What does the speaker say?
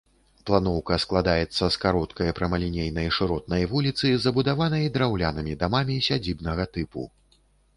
Планоўка складаецца з кароткай прамалінейнай шыротнай вуліцы, забудаванай драўлянымі дамамі сядзібнага тыпу.